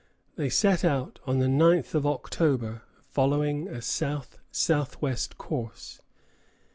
They set out on the 9th of October, following a south southwest course.